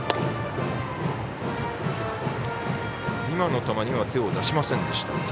今の球には手を出しませんでした。